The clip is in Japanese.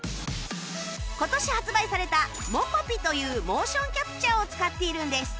今年発売された ｍｏｃｏｐｉ というモーションキャプチャーを使っているんです